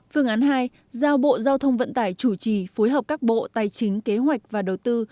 phương án hai giao bộ giao thông vận tải chủ trì phối hợp các bộ tài chính kế hoạch và đầu tư